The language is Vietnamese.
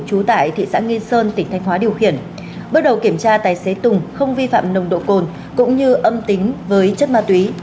trú tại thị xã nghi sơn tỉnh thanh hóa điều khiển bước đầu kiểm tra tài xế tùng không vi phạm nồng độ cồn cũng như âm tính với chất ma túy